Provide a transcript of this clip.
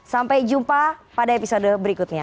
sampai jumpa pada episode berikutnya